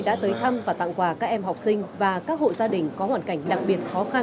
đã tới thăm và tặng quà các em học sinh và các hộ gia đình có hoàn cảnh đặc biệt khó khăn